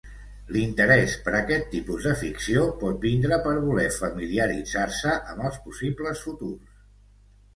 L'interès per aquest tipus de ficció pot vindre per voler familiaritzar-se amb els possibles futurs.